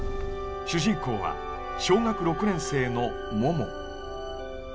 主人公は小学６年生のもも。